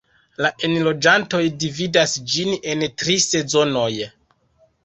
La enloĝantoj dividas ĝin en tri sezonoj.